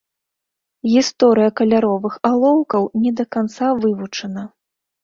Гісторыя каляровых алоўкаў не да канца вывучана.